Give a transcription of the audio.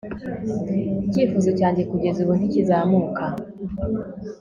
Icyifuzo cyanjye kugeza ubu ntikizamuka